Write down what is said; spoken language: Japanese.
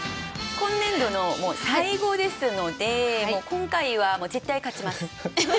今年度の最後ですので今回は絶対勝ちます！